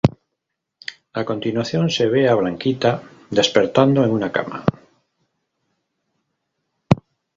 A continuación se ve a Blanquita despertando en una cama.